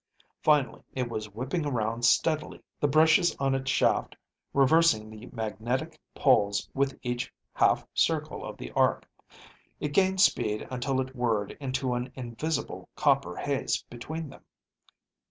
Finally it was whipping around steadily, the brushes on its shaft reversing the magnetic poles with each half circle of the arc. It gained speed until it whirred into an invisible copper haze between them.